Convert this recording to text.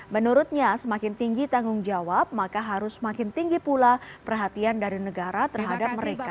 menurutnya semakin tinggi tanggung jawab maka harus semakin tinggi pula perhatian dari negara terhadap mereka